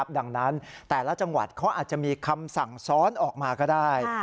ดังนั้นแต่ละจังหวัดเขาอาจจะมีคำสั่งซ้อนออกมาก็ได้